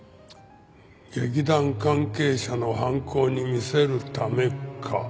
劇団関係者の犯行に見せるためか。